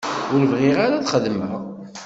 Ur bɣiɣ ara ad xedmeɣ.